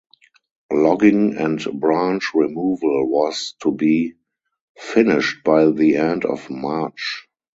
Logging and branch removal was to be finished by the end of March.